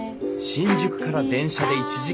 新宿から電車で１時間ちょっと。